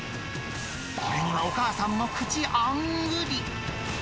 これにはお母さんも口あんぐり。